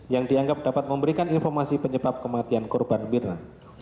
yang dianggap dapat memberikan informasi penyebab kematian korban mirna